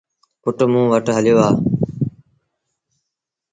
پُٽ موݩ وٽ هليو آ۔